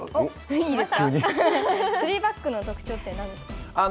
スリーバックの特徴って、何です